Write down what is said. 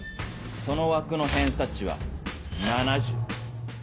その枠の偏差値は７０。